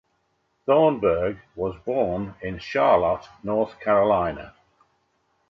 Thornburg was born in Charlotte, North Carolina.